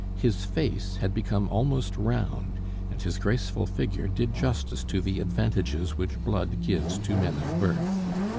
His face had become almost round, and his graceful figure did justice to the advantages which blood gives to men of birth.